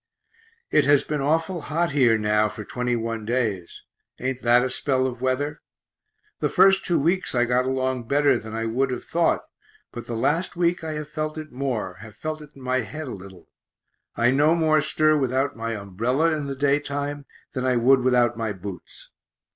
It has been awful hot here now for twenty one days; ain't that a spell of weather? The first two weeks I got along better than I would have thought, but the last week I have felt it more, have felt it in my head a little I no more stir without my umbrella, in the day time, than I would without my boots.